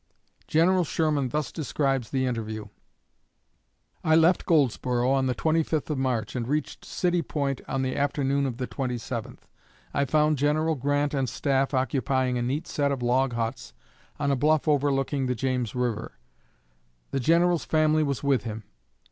General Sherman thus describes the interview: "I left Goldsboro on the 25th of March and reached City Point on the afternoon of the 27th. I found General Grant and staff occupying a neat set of log huts, on a bluff overlooking the James river. The General's family was with him.